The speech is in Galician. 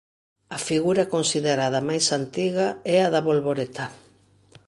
A figura considerada máis antiga é a da bolboreta.